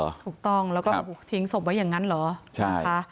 ถูกต้องแล้วก็ทิ้งศพไว้อย่างนั้นเหรอนะคะ